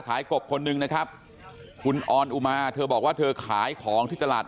กบคนหนึ่งนะครับคุณออนอุมาเธอบอกว่าเธอขายของที่ตลาด